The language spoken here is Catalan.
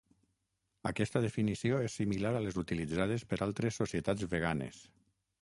Aquesta definició és similar a les utilitzades per altres societats veganes.